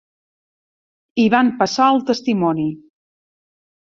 I van passar el testimoni.